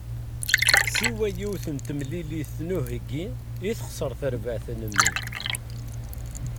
Siwa yiwet n temlilit n uheggi i texser terbaɛt n mmi.